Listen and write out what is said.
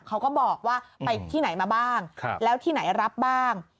เขาก็บอกว่าไปที่ไหนมาบ้างแล้วที่ไหนรับบ้าง